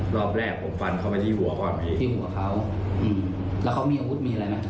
รอบแรกผมฟันเข้าไปที่หัวก่อนที่หัวเขาอืมแล้วเขามีอาวุธมีอะไรไหม